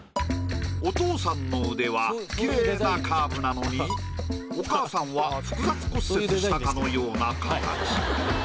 お父さんの腕はきれいなカーブなのにお母さんは複雑骨折したかのような形。